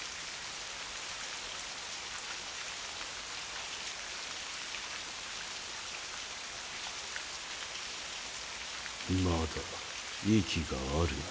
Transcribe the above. パキッまだ息があるな。